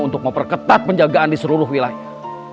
untuk memperketat penjagaan di seluruh wilayah